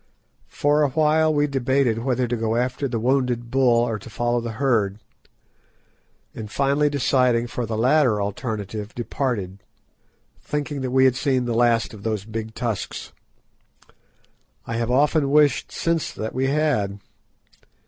For awhile we debated whether to go after the wounded bull or to follow the herd, and finally deciding for the latter alternative, departed, thinking that we had seen the last of those big tusks. I have often wished since that we had.